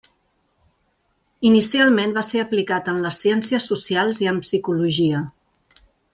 Inicialment va ser aplicat en les ciències socials i en psicologia.